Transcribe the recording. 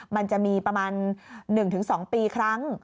มันจะมีประมาณ๑๒ปีครั้ง